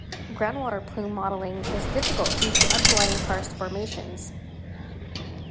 Groundwater plume modeling is difficult due to underlying karst formations.